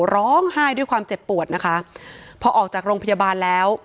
ร้องไห้ด้วยความเจ็บปวดนะคะพอออกจากโรงพยาบาลแล้ว